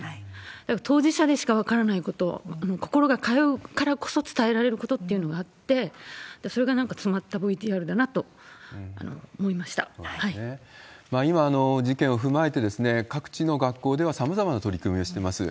だから、当事者にしか分からないこと、心が通うからこそ伝えられることっていうのがあって、それがなんか、今、事件を踏まえて、各地の学校ではさまざまな取り組みをしてます。